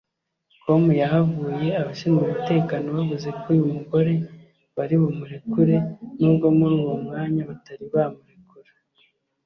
com yahavuye abashinzwe umutekano bavuze ko uyu mugore bari bumurekure nubwo muri uwo mwanya batari bamurekura